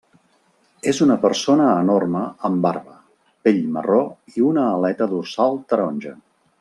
És una persona enorme amb barba, pell marró i una aleta dorsal taronja.